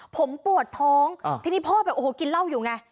ผมปวดท้องทีนี้พ่อแบบโอ้โหกินเหล้าอยู่ไง